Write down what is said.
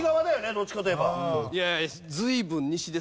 どっちかといえば。